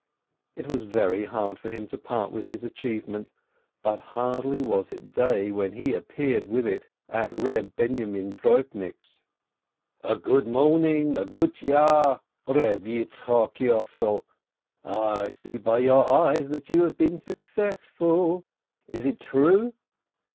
It was very hard for him to part with his achievement, but hardly was it day when he appeared with it at Eeb Binyomin Droibnik's. YITZCHOK YOSSEL BEOITGEBEE 247 "A good morning, a good year, Reb Yitzchok Yossel ! I see by your eyes that you have been successful. Is it true?"